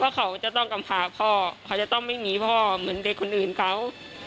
เขาจะต้องกำพาพ่อเขาจะต้องไม่มีพ่อเหมือนเด็กคนอื่นเขา